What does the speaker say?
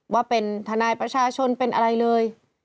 ว่าเป็นทนายประชาชนเป็นอะไรเลย